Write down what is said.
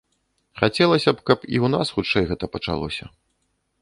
Хацелася б, каб і у нас хутчэй гэта пачалося.